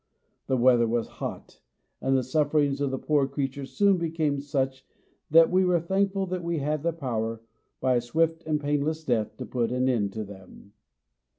The weather was hot; and the sufferings of the poor creature soon became such, that we were thankful that we had the power, by a swift and painless death, to put an end to them.